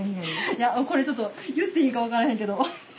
いやこれちょっと言っていいか分からへんけど。